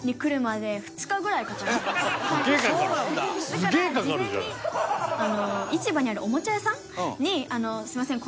だから事前に市場にあるおもちゃ屋さんに「すみません。